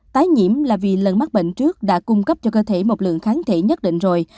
tái nhiễm là vì lần mắc bệnh trước đã cung cấp cho cơ thể một lượng kháng thể nhất định rồi